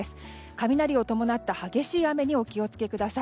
雷を伴った激しい雨にお気を付けください。